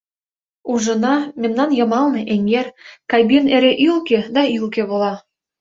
Ужына — мемнан йымалне эҥер, кабин эре ӱлкӧ да ӱлкӧ вола...